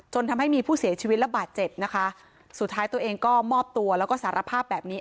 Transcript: ทำให้มีผู้เสียชีวิตระบาดเจ็บนะคะสุดท้ายตัวเองก็มอบตัวแล้วก็สารภาพแบบนี้